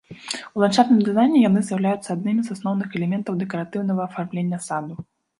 У ландшафтным дызайне яны з'яўляюцца аднымі з асноўных элементаў дэкаратыўнага афармлення саду.